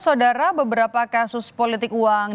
saudara beberapa kasus politik uang